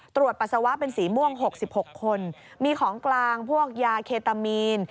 ปัสสาวะเป็นสีม่วง๖๖คนมีของกลางพวกยาเคตามีน